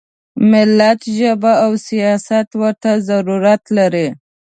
ملت ژبه او سیاست ورته ضرورت لري.